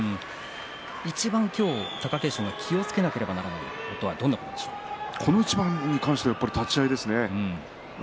いちばん今日気をつけなければいけないことは貴景勝はこの一番に関しては立ち合いですね。